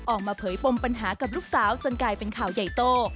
ออกมาเผยปมปัญหากับลูกสาวจนกลายเป็นข่าวใหญ่โต